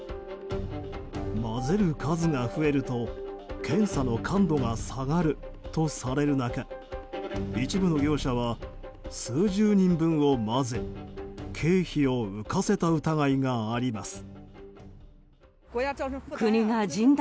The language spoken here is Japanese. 混ぜる数が増えると検査の感度が下がるとされる中一部の業者は数十人分を混ぜ経費を浮かせた疑いがあります。